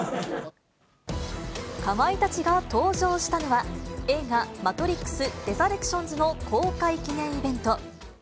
かまいたちが登場したのは、映画、マトリックスレザレクションズの公開記念イベント。